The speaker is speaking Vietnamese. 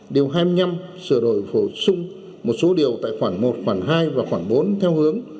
điều hai mươi năm sửa đổi bổ sung một số điều tại khoản một khoản hai và khoảng bốn theo hướng